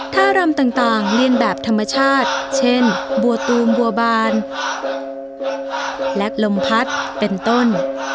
รำต่างเรียนแบบธรรมชาติเช่นบัวตูมบัวบานและลมพัดเป็นต้น